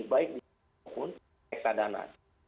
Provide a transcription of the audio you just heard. baik di mana pun eksadana